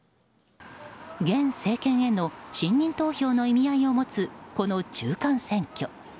現政権への信任投票の意味合いを持つこの中間選挙。